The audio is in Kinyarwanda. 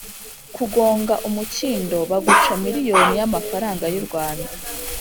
Kugonga umukindo baguca miriyoni ya amafaranga y’urwanda